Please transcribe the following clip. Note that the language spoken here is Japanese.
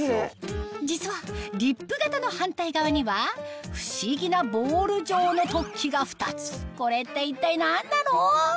実はリップ形の反対側には不思議なボール状の突起が２つこれって一体何なの？